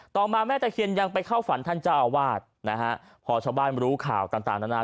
ต่อมาแม่ตะเคียนยังไปเข้าฝันท่านเจ้าอาวาสนะฮะพอชาวบ้านรู้ข่าวต่างต่างนานา